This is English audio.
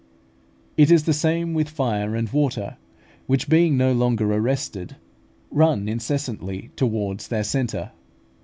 It is the same with fire and water, which, being no longer arrested, run incessantly towards their centre.